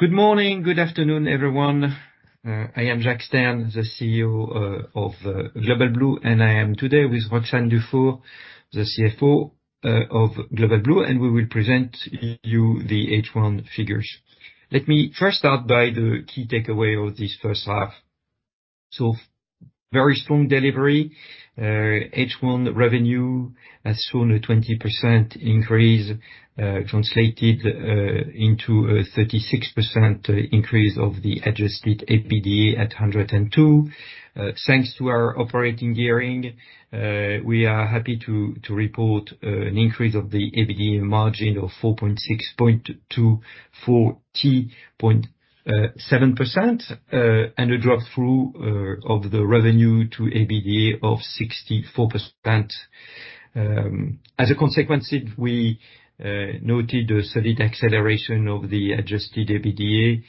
Good morning, good afternoon, everyone. I am Jacques Stern, the CEO of Global Blue, and I am today with Roxane Dufour, the CFO of Global Blue, and we will present to you the H1 figures. Let me first start by the key takeaway of this first half. So, very strong delivery. H1 revenue has shown a 20% increase, translated into a 36% increase of the Adjusted EBITDA at 102. Thanks to our operating leverage, we are happy to report an increase of the EBITDA margin of 40.7% and a drop-through of the revenue to EBITDA of 64%. As a consequence, we noted a solid acceleration of the Adjusted EBITDA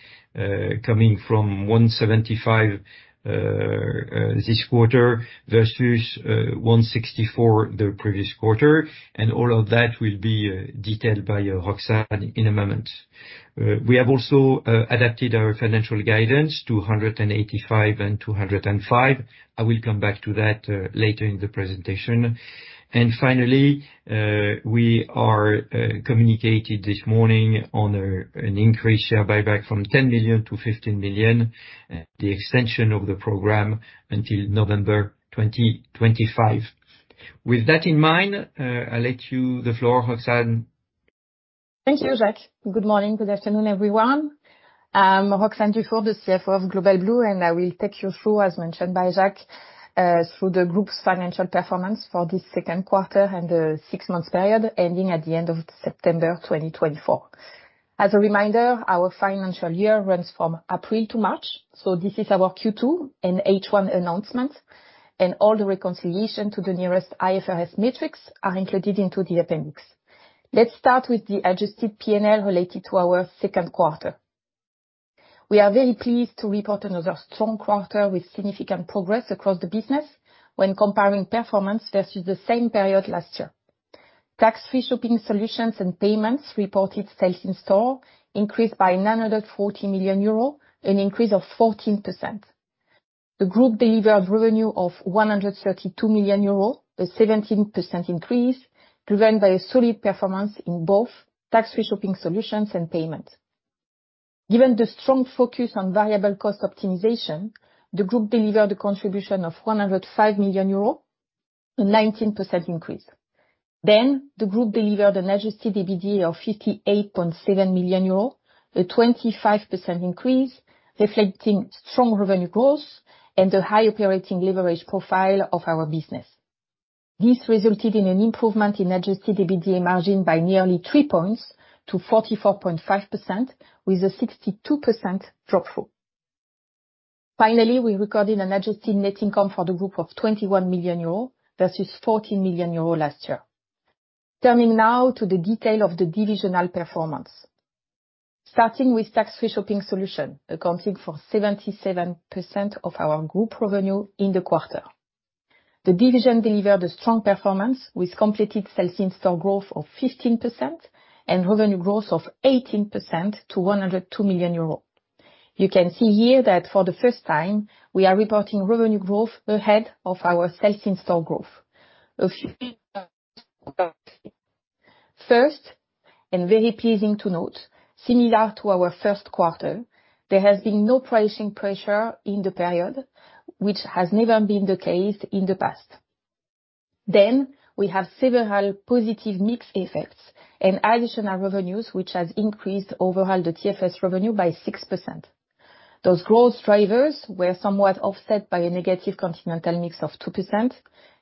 coming from 175 this quarter versus 164 the previous quarter, and all of that will be detailed by Roxane in a moment. We have also adapted our financial guidance to 185-205. I will come back to that later in the presentation, and finally, we communicated this morning on an increased share buyback from 10 million-15 million, the extension of the program until November 2025. With that in mind, I'll give you the floor, Roxane. Thank you, Jacques. Good morning, good afternoon, everyone. I'm Roxane Dufour, the CFO of Global Blue, and I will take you through, as mentioned by Jacques, through the group's financial performance for this second quarter and the six-month period ending at the end of September 2024. As a reminder, our financial year runs from April to March, so this is our Q2 and H1 announcement, and all the reconciliation to the nearest IFRS metrics are included into the appendix. Let's start with the adjusted P&L related to our second quarter. We are very pleased to report another strong quarter with significant progress across the business when comparing performance versus the same period last year. Tax Free Shopping Solutions and Payments reported Sales in Store increased by 940 million euro, an increase of 14%. The group delivered revenue of 132 million euro, a 17% increase, driven by a solid performance in Tax Free Shopping Solutions and payments. Given the strong focus on variable cost optimization, the group delivered a contribution of 105 million euro, a 19% increase. Then, the group delivered an Adjusted EBITDA of EUR 58.7 million, a 25% increase, reflecting strong revenue growth and the high operating leverage profile of our business. This resulted in an improvement in Adjusted EBITDA margin by nearly three points to 44.5%, with a 62% drop-through. Finally, we recorded an adjusted net income for the group of 21 million euros versus 14 million euros last year. Turning now to the detail of the divisional performance. Starting with Tax-Free Shopping Solutions, accounting for 77% of our group revenue in the quarter. The division delivered a strong performance with constant Sales in Store growth of 15% and revenue growth of 18% to 102 million euros. You can see here that for the first time, we are reporting revenue growth ahead of our Sales in Store growth. A few things. First, and very pleasing to note, similar to our first quarter, there has been no pricing pressure in the period, which has never been the case in the past. Then, we have several positive mix effects and additional revenues, which has increased overall the TFS revenue by 6%. Those growth drivers were somewhat offset by a negative continental mix of 2%.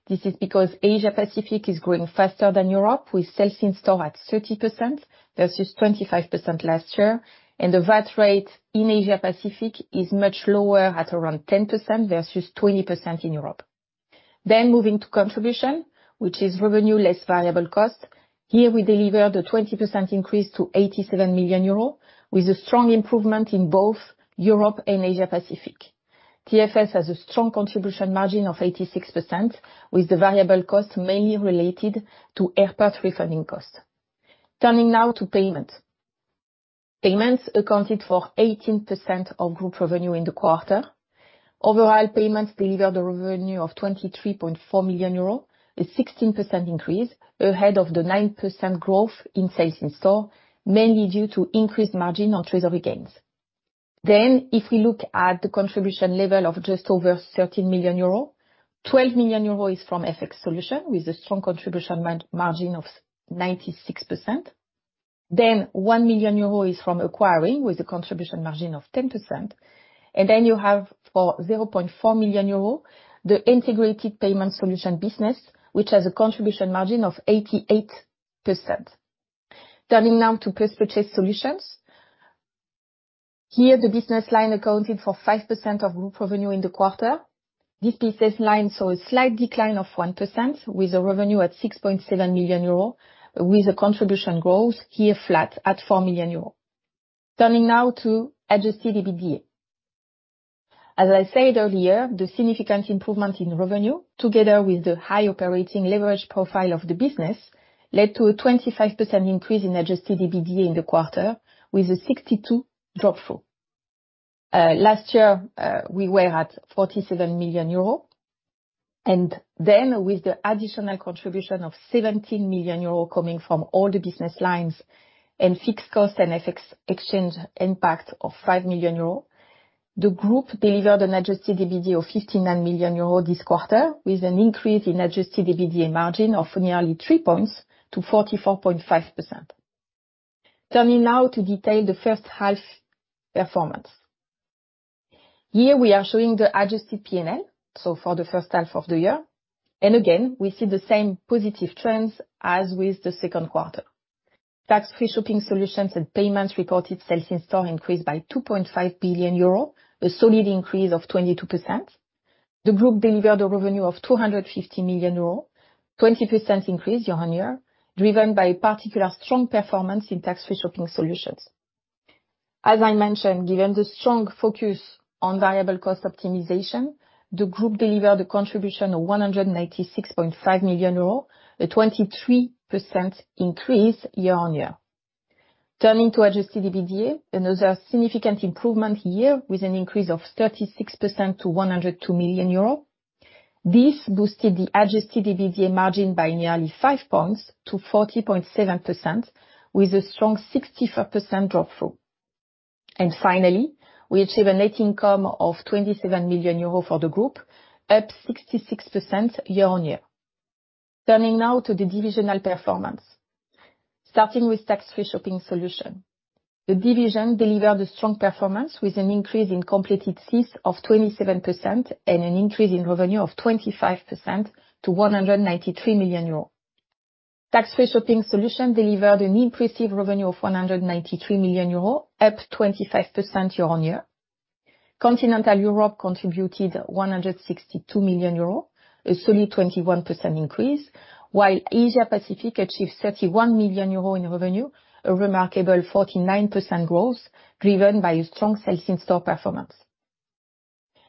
This is because Asia-Pacific is growing faster than Europe, with Sales in Store at 30% versus 25% last year, and the VAT rate in Asia-Pacific is much lower at around 10% versus 20% in Europe. Then, moving to contribution, which is revenue less variable cost, here we deliver the 20% increase to 87 million euros, with a strong improvement in both Europe and Asia-Pacific. TFS has a strong contribution margin of 86%, with the variable cost mainly related to airport refunding cost. Turning now to Payments. Payments accounted for 18% of group revenue in the quarter. Overall, Payments delivered a revenue of 23.4 million euros, a 16% increase ahead of the 9% growth in Sales in Store, mainly due to increased margin on treasury gains. Then, if we look at the contribution level of just over 13 million euro, 12 million euro is from FX Solutions with a strong contribution margin of 96%. Then, 1 million euro is from Acquiring with a contribution margin of 10%. And then you have for 0.4 million euro, the Integrated Payment Solutions business, which has a contribution margin of 88%. Turning now to Post-Purchase Solutions. Here, the business line accounted for 5% of group revenue in the quarter. This business line saw a slight decline of 1% with a revenue at 6.7 million euro, with a contribution growth here flat at 4 million euro. Turning now to Adjusted EBITDA. As I said earlier, the significant improvement in revenue, together with the high operating leverage profile of the business, led to a 25% increase in Adjusted EBITDA in the quarter, with a 62% drop-through. Last year, we were at 47 million euro, and then with the additional contribution of 17 million euro coming from all the business lines and fixed cost and FX exchange impact of 5 million euros, the group delivered an Adjusted EBITDA of 59 million euros this quarter, with an increase in Adjusted EBITDA margin of nearly three points to 44.5%. Turning now to detail the first half performance. Here, we are showing the adjusted P&L, so for the first half of the year. And again, we see the same positive trends as with the second Tax Free Shopping Solutions and payments reported Sales in Store increased by 2.5 billion euro, a solid increase of 22%. The group delivered a revenue of 250 million euro, a 20% increase year-on-year, driven by a particular strong performance in Tax-Free Shopping Solutions. As I mentioned, given the strong focus on variable cost optimization, the group delivered a contribution of 196.5 million euros, a 23% increase year-on-year. Turning to Adjusted EBITDA, another significant improvement here with an increase of 36% to 102 million euro. This boosted the Adjusted EBITDA margin by nearly five points to 40.7%, with a strong 64% drop-through. And finally, we achieved a net income of 27 million euro for the group, up 66% year-on-year. Turning now to the divisional performance. Starting with Tax-Free Shopping Solutions. The division delivered a strong performance with an increase in completed SiS of 27% and an increase in revenue of 25% to 193 Tax Free Shopping Solutions delivered an impressive revenue of 193 million euro, up 25% year-on-year. Continental Europe contributed 162 million euro, a solid 21% increase, while Asia-Pacific achieved 31 million euro in revenue, a remarkable 49% growth driven by a strong Sales in Store performance.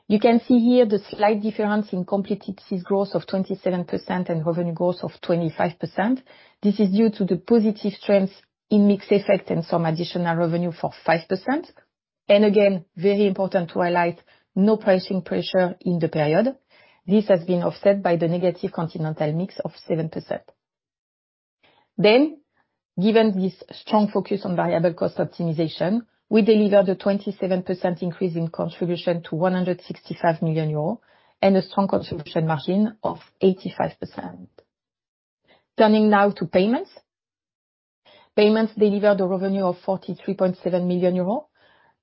You can see here the slight difference in completed SiS growth of 27% and revenue growth of 25%. This is due to the positive trends in mix effect and some additional revenue for 5%. And again, very important to highlight, no pricing pressure in the period. This has been offset by the negative continental mix of 7%. Then, given this strong focus on variable cost optimization, we delivered a 27% increase in contribution to 165 million euros and a strong contribution margin of 85%. Turning now to Payments. Payments delivered a revenue of 43.7 million euros,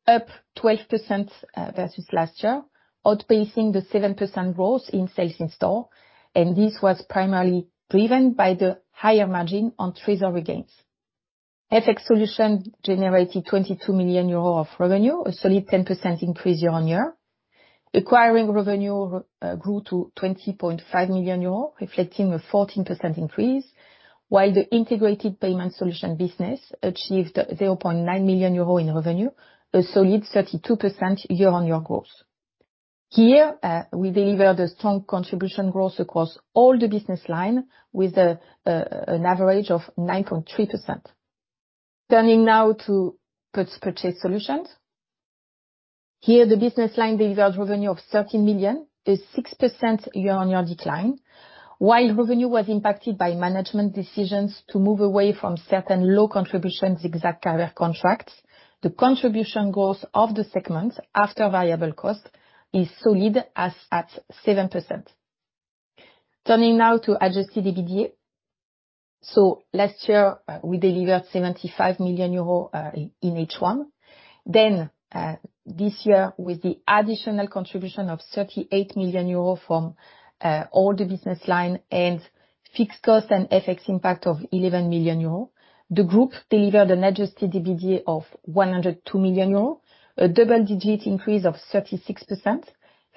up 12% versus last year, outpacing the 7% growth in Sales in Store, and this was primarily driven by the higher margin on treasury gains. FX solution generated 22 million euro of revenue, a solid 10% increase year-on-year. Acquiring revenue grew to 20.5 million euros, reflecting a 14% increase, while the Integrated Payment Solutions business achieved 0.9 million euro in revenue, a solid 32% year-on-year growth. Here, we delivered a strong contribution growth across all the business lines with an average of 9.3%. Turning now to Post-Purchase Solutions. Here, the business line delivered revenue of 13 million, a 6% year-on-year decline, while revenue was impacted by management decisions to move away from certain low-contribution ZigZag carrier contracts. The contribution growth of the segment after variable cost is solid at 7%. Turning now to Adjusted EBITDA. Last year, we delivered 75 million euros in H1. This year, with the additional contribution of 38 million euro from all the business lines and fixed cost and FX impact of 11 million euros, the group delivered an Adjusted EBITDA of 102 million euros, a double-digit increase of 36%,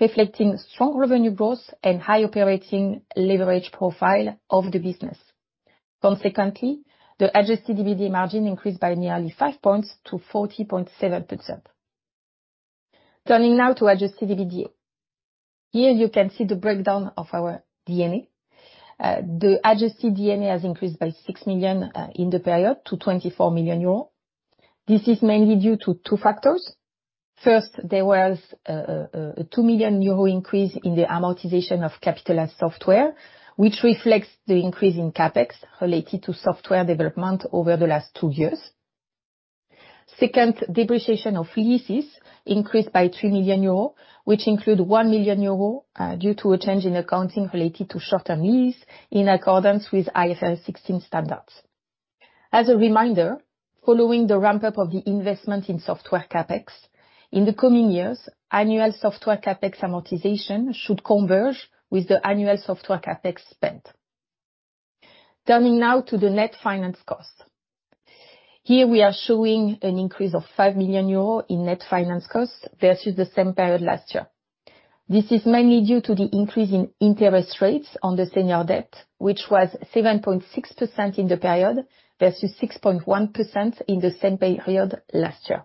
reflecting strong revenue growth and high operating leverage profile of the business. Consequently, the Adjusted EBITDA margin increased by nearly five points to 40.7%. Turning now to Adjusted EBITDA. Here, you can see the breakdown of our D&A. The Adjusted D&A has increased by 6 million in the period to 24 million euro. This is mainly due to two factors. First, there was a 2 million euro increase in the amortization of capitalized software, which reflects the increase in CapEx related to software development over the last two years. Second, depreciation of leases increased by 3 million euros, which included 1 million euros due to a change in accounting related to short-term lease in accordance with IFRS 16 standards. As a reminder, following the ramp-up of the investment in software CapEx, in the coming years, annual software CapEx amortization should converge with the annual software CapEx spent. Turning now to the net finance cost. Here, we are showing an increase of 5 million euros in net finance cost versus the same period last year. This is mainly due to the increase in interest rates on the senior debt, which was 7.6% in the period versus 6.1% in the same period last year.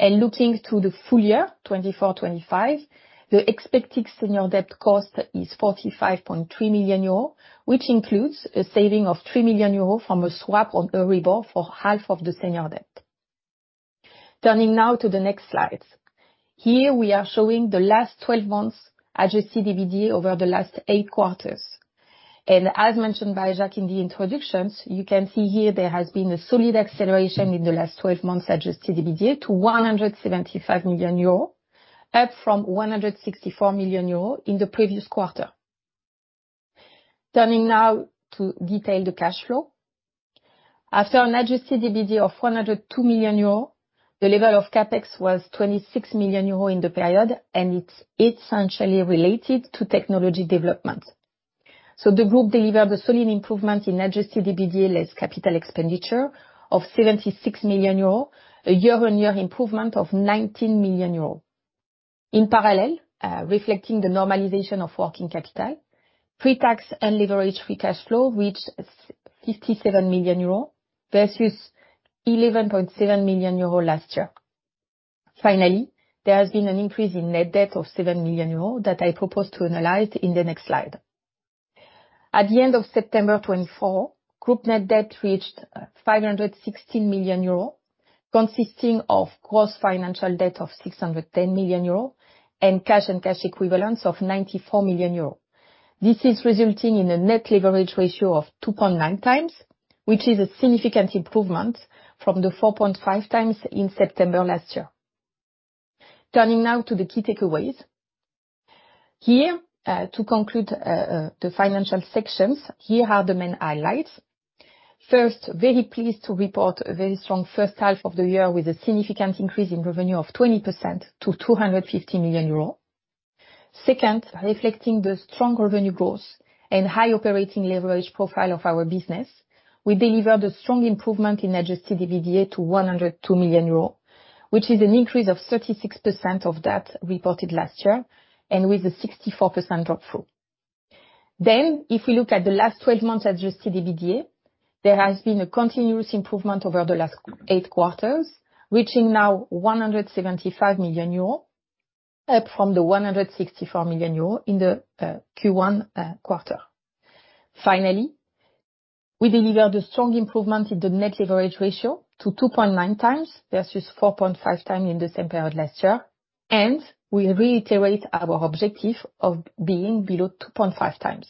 Looking to the full year, 2024-25, the expected senior debt cost is 45.3 million euros, which includes a saving of 3 million euros from a swap on EURIBOR for half of the senior debt. Turning now to the next slides. Here, we are showing the last 12 months' Adjusted EBITDA over the last eight quarters. As mentioned by Jacques in the introductions, you can see here there has been a solid acceleration in the last 12 months' Adjusted EBITDA to 175 million euro, up from 164 million euro in the previous quarter. Turning now to detail the cash flow. After an Adjusted EBITDA of 102 million euros, the level of CapEx was 26 million euros in the period, and it's essentially related to technology development. The group delivered a solid improvement in Adjusted EBITDA less capital expenditure of 76 million euros, a year-on-year improvement of 19 million euros. In parallel, reflecting the normalization of working capital, pre-tax and leverage-free cash flow reached 57 million euro versus 11.7 million euro last year. Finally, there has been an increase in net debt of 7 million euro that I propose to analyze in the next slide. At the end of September 2024, group net debt reached 516 million euro, consisting of gross financial debt of 610 million euro and cash and cash equivalents of 94 million euro. This is resulting in a net leverage ratio of 2.9 times, which is a significant improvement from the 4.5 times in September last year. Turning now to the key takeaways. Here, to conclude the financial sections, here are the main highlights. First, very pleased to report a very strong first half of the year with a significant increase in revenue of 20% to 250 million euro. Second, reflecting the strong revenue growth and high operating leverage profile of our business, we delivered a strong improvement in Adjusted EBITDA to 102 million euros, which is an increase of 36% of that reported last year and with a 64% drop-through. Then, if we look at the last 12 months' Adjusted EBITDA, there has been a continuous improvement over the last eight quarters, reaching now 175 million euro, up from the 164 million euro in the Q1 quarter. Finally, we delivered a strong improvement in the net leverage ratio to 2.9 times versus 4.5 times in the same period last year, and we reiterate our objective of being below 2.5 times.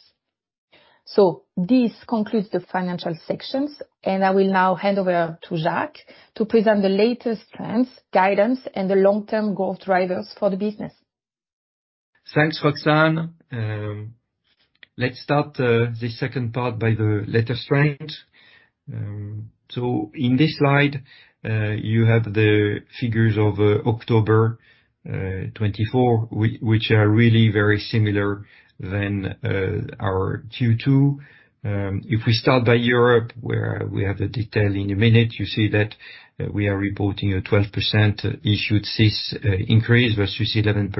So this concludes the financial sections, and I will now hand over to Jacques to present the latest trends, guidance, and the long-term growth drivers for the business. Thanks, Roxane. Let's start this second part by the latest trends. So in this slide, you have the figures of October 24, which are really very similar to our Q2. If we start by Europe, where we have the detail in a minute, you see that we are reporting a 12% issued SiS increase versus 11%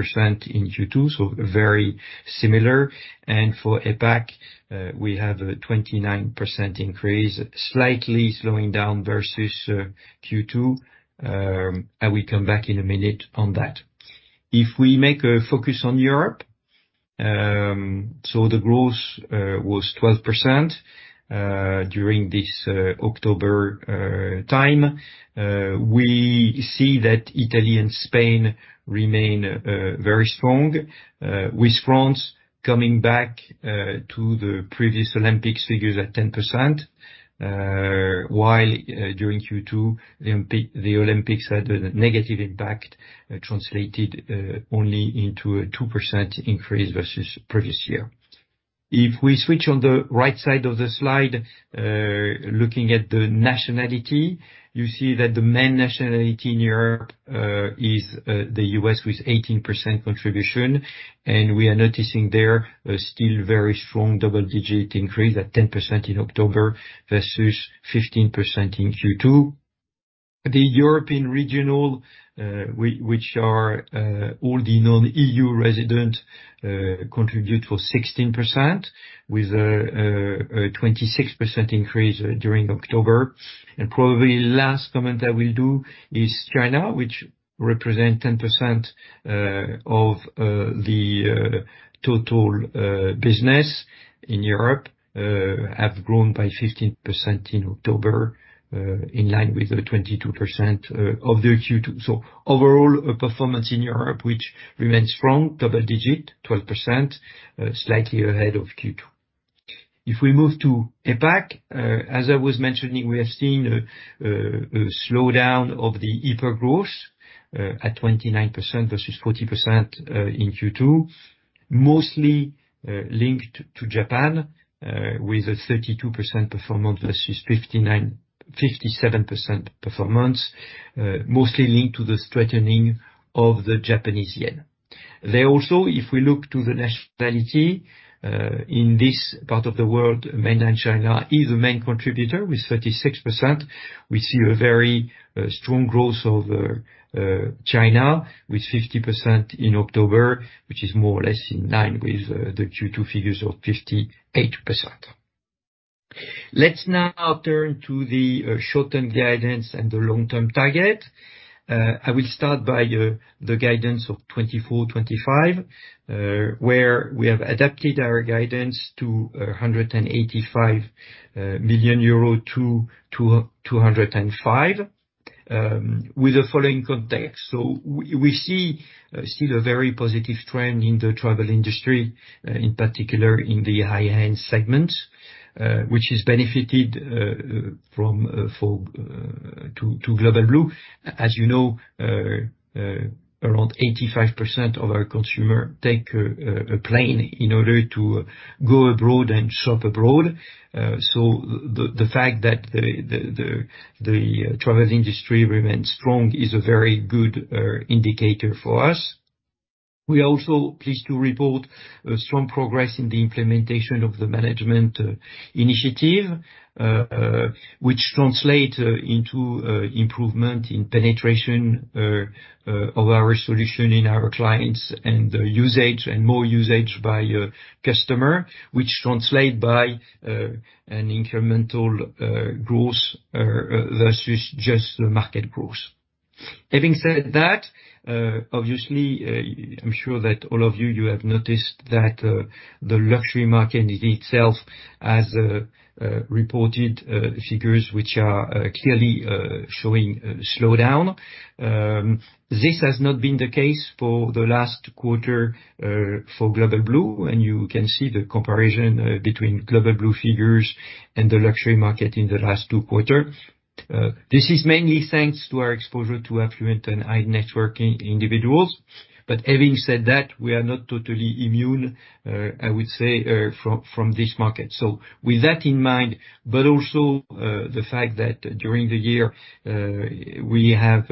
in Q2, so very similar. And for APAC, we have a 29% increase, slightly slowing down versus Q2. I will come back in a minute on that. If we make a focus on Europe, so the growth was 12% during this October time. We see that Italy and Spain remain very strong, with France coming back to the previous Olympics figures at 10%, while during Q2, the Olympics had a negative impact, translated only into a 2% increase versus previous year. If we switch on the right side of the slide, looking at the nationality, you see that the main nationality in Europe is the U.S. with 18% contribution, and we are noticing there still a very strong double-digit increase at 10% in October versus 15% in Q2. The European Regionals, which are all the non-EU residents, contribute for 16%, with a 26% increase during October, and probably the last comment I will do is China, which represents 10% of the total business in Europe, has grown by 15% in October, in line with the 22% of the Q2, so overall, a performance in Europe which remains strong, double-digit, 12%, slightly ahead of Q2. If we move to APAC, as I was mentioning, we have seen a slowdown of the APAC growth at 29% versus 40% in Q2, mostly linked to Japan, with a 32% performance versus 57% performance, mostly linked to the strengthening of the Japanese yen. There also, if we look to the nationality in this part of the world, Mainland China is the main contributor with 36%. We see a very strong growth of China, with 50% in October, which is more or less in line with the Q2 figures of 58%. Let's now turn to the short-term guidance and the long-term target. I will start by the guidance of 24-25, where we have adapted our guidance to 185 million-205 million euro, with the following context. We see still a very positive trend in the travel industry, in particular in the high-end segments, which is benefited from Global Blue. As you know, around 85% of our consumers take a plane in order to go abroad and shop abroad. So the fact that the travel industry remains strong is a very good indicator for us. We are also pleased to report a strong progress in the implementation of the management initiative, which translates into improvement in penetration of our solution in our clients and usage and more usage by customers, which translates by an incremental growth versus just the market growth. Having said that, obviously, I'm sure that all of you, you have noticed that the luxury market in itself has reported figures which are clearly showing a slowdown. This has not been the case for the last quarter for Global Blue, and you can see the comparison between Global Blue figures and the luxury market in the last two quarters. This is mainly thanks to our exposure to affluent and high-net-worth individuals. But having said that, we are not totally immune, I would say, from this market. So with that in mind, but also the fact that during the year, we have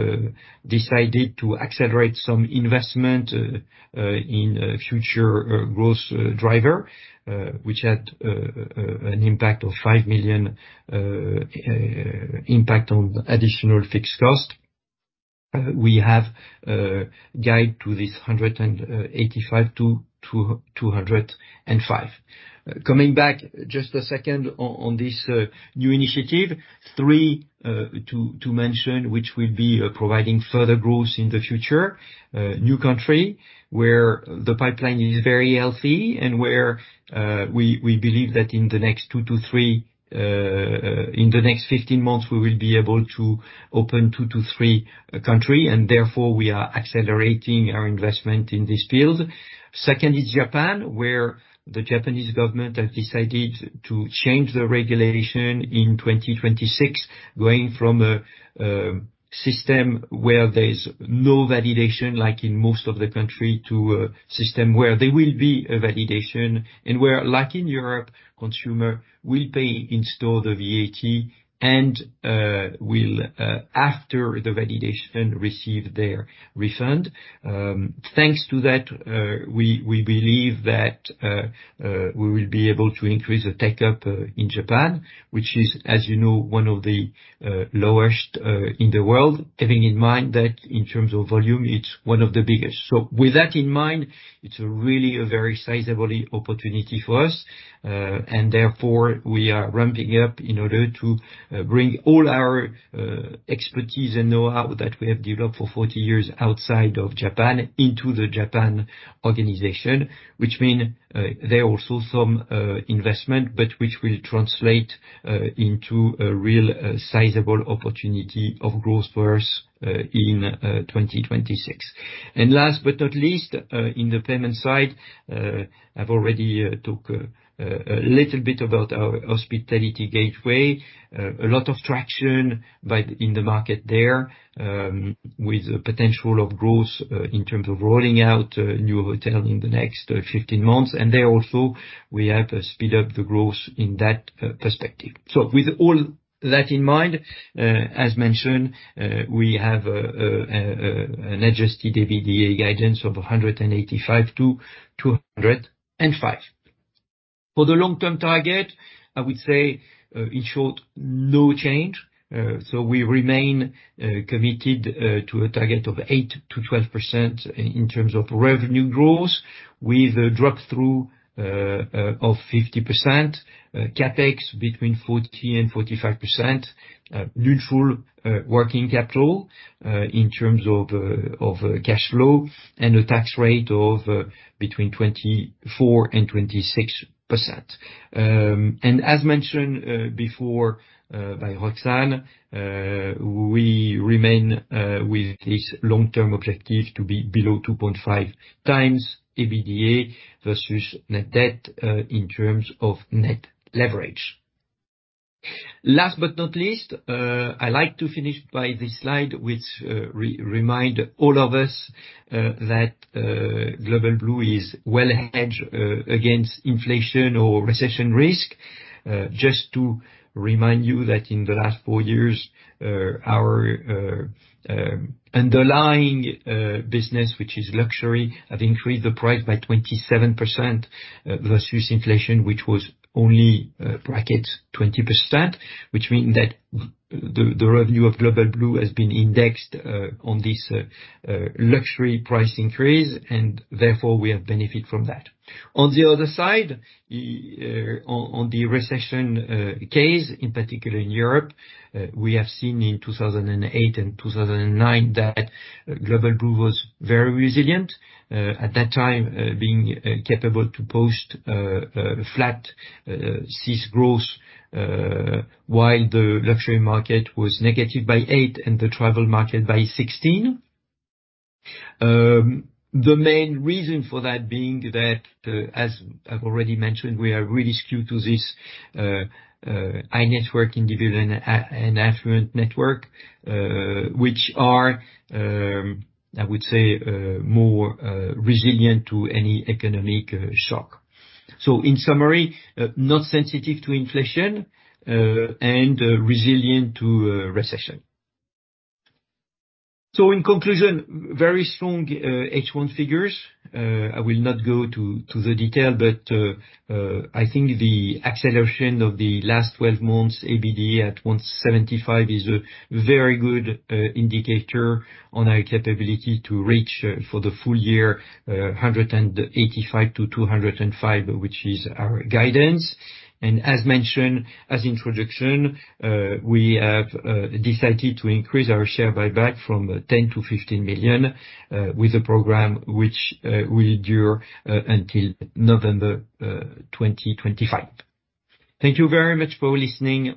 decided to accelerate some investment in future growth drivers, which had an impact of 5 million on additional fixed cost. We have guided to this 185-205. Coming back just a second on this new initiative, three to mention, which will be providing further growth in the future, new country, where the pipeline is very healthy and where we believe that in the next two to three, in the next 15 months, we will be able to open two to three countries, and therefore, we are accelerating our investment in this field. Second is Japan, where the Japanese government has decided to change the regulation in 2026, going from a system where there's no validation like in most of the countries to a system where there will be a validation and where, like in Europe, consumers will pay in store the VAT and will, after the validation, receive their refund. Thanks to that, we believe that we will be able to increase the take-up in Japan, which is, as you know, one of the lowest in the world, having in mind that in terms of volume, it's one of the biggest. With that in mind, it's really a very sizable opportunity for us, and therefore, we are ramping up in order to bring all our expertise and know-how that we have developed for 40 years outside of Japan into the Japan organization, which means there are also some investments, but which will translate into a real sizable opportunity of growth for us in 2026. Last but not least, in the payment side, I've already talked a little bit about our Hospitality Gateway. A lot of traction in the market there with the potential of growth in terms of rolling out new hotels in the next 15 months, and there also, we have speeded up the growth in that perspective. With all that in mind, as mentioned, we have an Adjusted EBITDA guidance of 185-205. For the long-term target, I would say in short, no change. We remain committed to a target of 8%-12% in terms of revenue growth, with a drop-through of 50%, CapEx between 40%-45%, neutral working capital in terms of cash flow, and a tax rate of between 24%-26%. As mentioned before by Roxane, we remain with this long-term objective to be below 2.5 times EBITDA versus net debt in terms of net leverage. Last but not least, I'd like to finish by this slide which reminds all of us that Global Blue is well hedged against inflation or recession risk. Just to remind you that in the last four years, our underlying business, which is luxury, has increased the price by 27% versus inflation, which was only about 20%, which means that the revenue of Global Blue has been indexed on this luxury price increase, and therefore, we have benefited from that. On the other side, on the recession case, in particular in Europe, we have seen in 2008 and 2009 that Global Blue was very resilient at that time, being capable to post flat SiS growth, while the luxury market was negative by 8% and the travel market by 16%. The main reason for that being that, as I've already mentioned, we are really skewed to this high-net-worth individual and affluent network, which are, I would say, more resilient to any economic shock. So in summary, not sensitive to inflation and resilient to recession. So in conclusion, very strong H1 figures. I will not go to the detail, but I think the acceleration of the last 12 months' EBITDA at 175 is a very good indicator on our capability to reach for the full year 185-205, which is our guidance. As mentioned in the introduction, we have decided to increase our share buyback from 10 million-15 million with a program which will endure until November 2025. Thank you very much for listening.